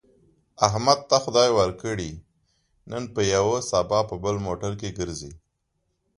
احمد ته خدای ورکړې، نن په یوه سبا په بل موټر کې ګرځي.